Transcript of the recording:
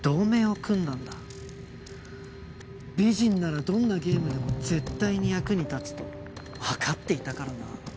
美人ならどんなゲームでも絶対に役に立つとわかっていたからな。